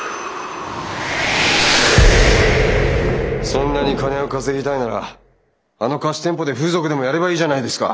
そんなに金を稼ぎたいならあの貸し店舗で風俗でもやればいいじゃないですか。